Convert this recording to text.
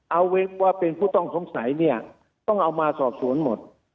เอาเว็บว่าเป็นผู้ต้องสงสัยเนี่ยต้องเอามาสอบสวนหมด